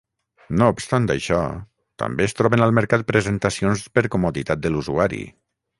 No obstant això també es troben al mercat presentacions per comoditat de l'usuari.